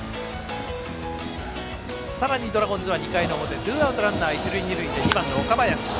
さらにドラゴンズは２回の表ツーアウト、ランナー一塁二塁で２番の岡林。